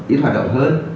ít hoạt động